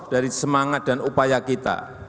dari semangat dan upaya kita